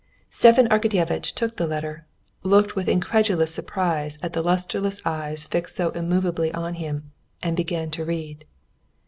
Stepan Arkadyevitch took the letter, looked with incredulous surprise at the lusterless eyes fixed so immovably on him, and began to read.